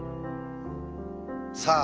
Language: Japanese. さあ